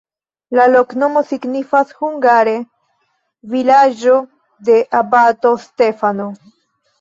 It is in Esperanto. La loknomo signifas hungare: vilaĝo de abato Stefano.